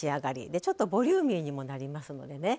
でちょっとボリューミーにもなりますのでね。